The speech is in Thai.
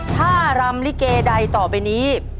ถ้ารำลิเกใดต่อไปนี้